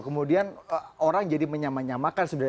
kemudian orang jadi menyamakan nyamakan